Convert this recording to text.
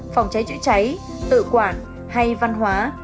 phòng cháy chữ cháy tự quản hay văn hóa